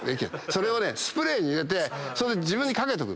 それをスプレーに入れて自分に掛けとく。